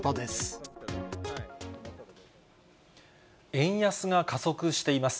円安が加速しています。